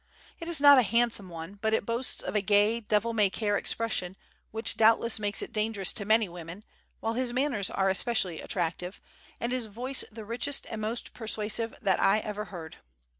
It is not a handsome one, but it boasts of a gay, devil may care expression which doubtless makes it dangerous to many women, while his manners are especially attractive, and his voice the richest and most persuasive that I ever heard.